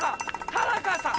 田中さん！